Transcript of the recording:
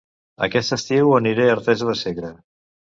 Aquest estiu aniré a Artesa de Segre